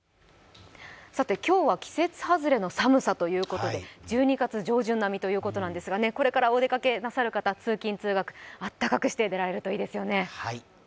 今日は季節外れの寒さということで１２月上旬並みということですが、これからお出かけなさる方、通勤通学、あったかくして出かけられるといいですね。